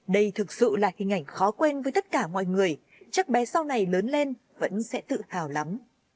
đây thực sự là hình ảnh khó quên với tất cả mọi người chắc bé sau này lớn lên vẫn sẽ tự hào lắm